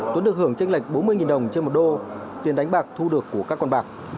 tuấn được hưởng tranh lệch bốn mươi đồng trên một đô tiền đánh bạc thu được của các con bạc